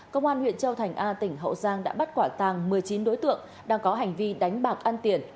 công an huyện châu thành a tỉnh hậu giang đã bắt quả tàng một mươi chín đối tượng đang có hành vi đánh bạc ăn tiền